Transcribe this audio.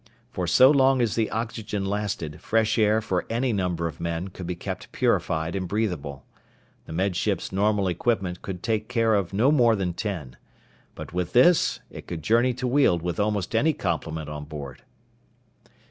For so long as the oxygen lasted, fresh air for any number of men could be kept purified and breathable. The Med Ship's normal equipment could take care of no more than ten. But with this it could journey to Weald with almost any complement on board.